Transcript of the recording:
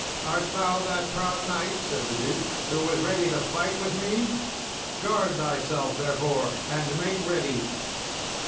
"Art thou that proud knight," said the duke, "who was ready to fight with me? Guard thyself therefore and make ready."